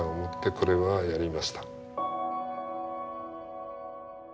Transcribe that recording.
これはやりました。